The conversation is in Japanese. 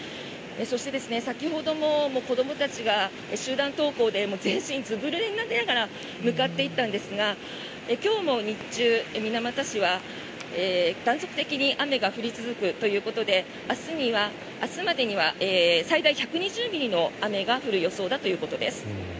そして、先ほども子どもたちが集団登校で全身ずぶぬれになりながら向かっていったんですが今日も日中、水俣市は断続的に雨が降り続くということで明日までには最大１２０ミリの雨が降る予想だということです。